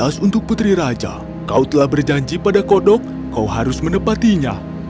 khas untuk putri raja kau telah berjanji pada kodok kau harus menepatinya